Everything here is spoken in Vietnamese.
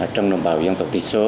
trong đồng bào dân tộc tỷ số